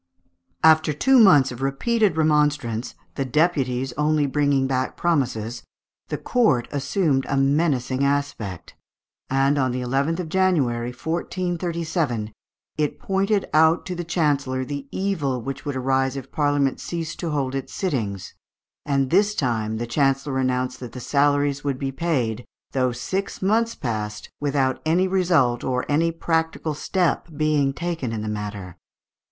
After two months of repeated remonstrance, the deputies only bringing back promises, the court assumed a menacing aspect; and on the 11th of January, 1437, it pointed out to the chancellor the evil which would arise if Parliament ceased to hold its sittings; and this time the chancellor announced that the salaries would be paid, though six months passed without any resuit or any practical step being taken in the matter.